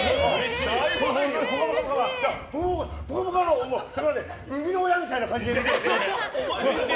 本当に「ぽかぽか」の生みの親みたいな感じで見てて。